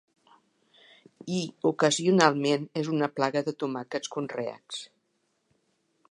I ocasionalment és una plaga de tomàquets conreats.